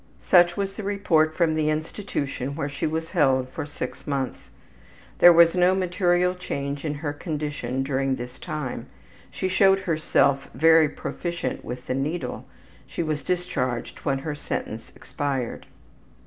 Such was the report from the institution where she was held for six months. There was no material change in her condition during this time; she showed herself very proficient with the needle; she was discharged when her sentence expired.